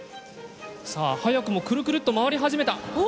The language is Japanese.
さあ早くもくるくるっと回り始めた。